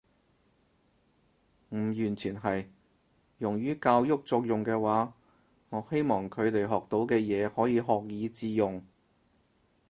唔完全係。用於教育作用嘅話，我希望佢哋學到嘅嘢可以學以致用